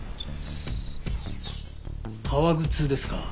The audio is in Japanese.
革靴ですか？